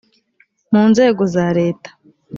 mu nzego za leta